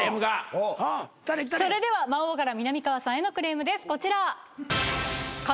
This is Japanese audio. それでは魔王からみなみかわさんへのクレームですこちら。